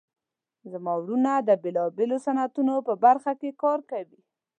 زما وروڼه د بیلابیلو صنعتونو په برخه کې کار کوي